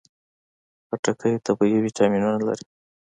خټکی طبیعي ویټامینونه لري.